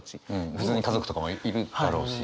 普通に家族とかもいるだろうし。